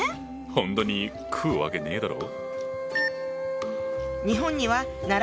ほんとに食うわけねえだろ。